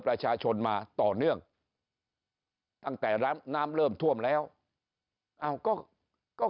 ประชาชนมาต่อเนื่องตั้งแต่น้ำน้ำเริ่มท่วมแล้วอ้าวก็ก็